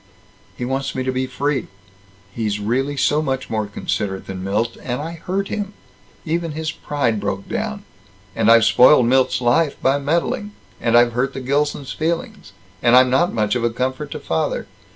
"He wants me to be free. He's really so much more considerate than Milt. And I hurt him. Even his pride broke down. And I've spoiled Milt's life by meddling. And I've hurt the Gilsons' feelings. And I'm not much of a comfort to father.